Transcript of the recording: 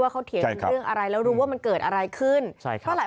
ว่าเขาเถียงเรื่องอะไรแล้วรู้ว่ามันเกิดอะไรขึ้นเพราะหลาย